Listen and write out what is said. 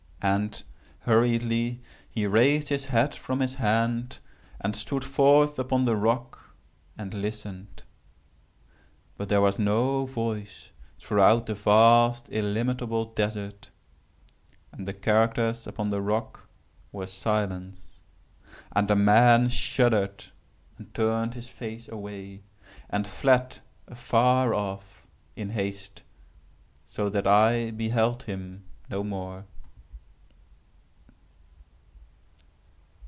And, hurriedly, he raised his head from his hand, and stood forth upon the rock and listened. But there was no voice throughout the vast illimitable desert, and the characters upon the rock were SILENCE. And the man shuddered, and turned his face away, and fled afar off, in haste, so that I beheld him no more."